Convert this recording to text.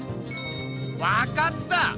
わかった！